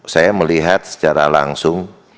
saya melihat secara langsung